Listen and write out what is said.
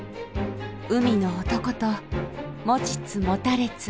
海の男と持ちつ持たれつ。